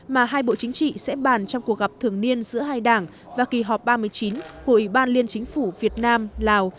mà hai bộ chính trị sẽ bàn trong cuộc gặp thường niên giữa hai đảng và kỳ họp ba mươi chín của ủy ban liên chính phủ việt nam lào